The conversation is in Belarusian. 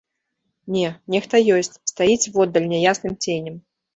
Не, нехта ёсць, стаіць воддаль няясным ценем.